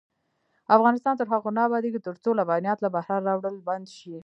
افغانستان تر هغو نه ابادیږي، ترڅو لبنیات له بهره راوړل بند نشي.